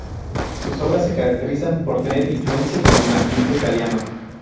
Sus obras se caracterizan por tener influencias de renacimiento italiano.